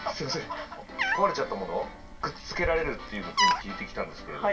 壊れちゃったものをくっつけられるっていうふうに聞いてきたんですけれども。